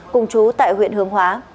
cùng chú tại huyện hương hóa